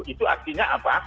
itu artinya apa